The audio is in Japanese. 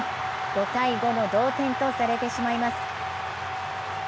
５−５の同点とされてしまいます。